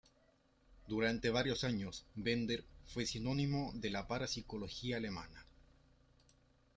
Durante varios años, Bender fue sinónimo de la parapsicología alemana.